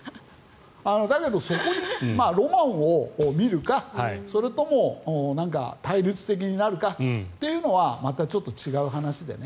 だけど、そこにロマンを見るかそれとも対立的になるかというのはまた、ちょっと違う話でね。